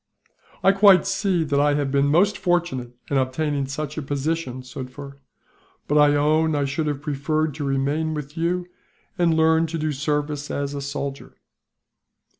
"I quite see that I have been most fortunate in obtaining such a position, Sufder; but I own I should have preferred to remain with you, and learn to do service as a soldier."